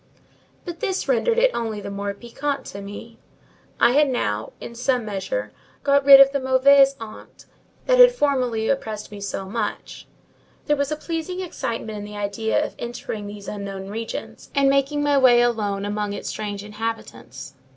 But this rendered it only the more piquant to me. I had now, in some measure, got rid of the mauvaise honte that had formerly oppressed me so much; there was a pleasing excitement in the idea of entering these unknown regions, and making my way alone among its strange inhabitants.